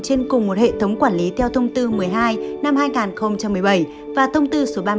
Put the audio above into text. trên cùng một hệ thống quản lý theo thông tư một mươi hai năm hai nghìn một mươi bảy và thông tư số ba mươi tám năm hai nghìn một mươi chín